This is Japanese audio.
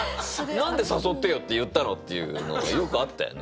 何で「誘ってよ」って言ったの？っていうのよくあったよね。